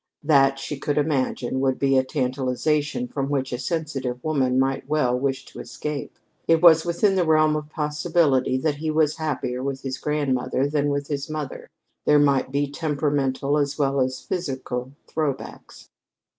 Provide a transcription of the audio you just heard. That, she could imagine, would be a tantalization from which a sensitive woman might well wish to escape. It was within the realm of possibility that he was happier with his grandmother than with his mother. There might be temperamental as well as physical "throwbacks."